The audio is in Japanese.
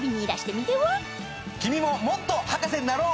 君ももっと博士になろう！